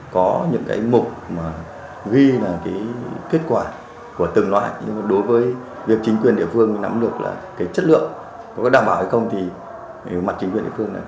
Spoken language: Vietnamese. câu chuẩn của bộ y tế